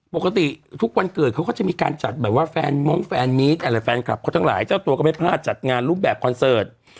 ปกติทุกวันเกิดเขาก็จะมีการจัดแบบว่าแฟนมงค์แฟนมีดอะไรแฟนคลับเขาทั้งหลายเจ้าตัวก็ไม่พลาดจัดงานรูปแบบคอนเสิร์ต